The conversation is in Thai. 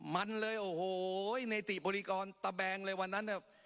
มันเลยโอ้โหเฮ้ยในติบบริกรตเบิวก์เลยวันนั้นอ่ะ